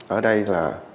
ở đây là